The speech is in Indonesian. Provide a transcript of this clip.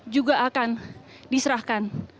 juga akan diserahkan